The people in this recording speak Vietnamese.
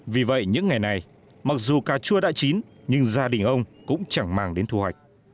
vì vậy những ngày này mặc dù cà chua đã chín nhưng gia đình ông cũng chẳng mang đến thù hòa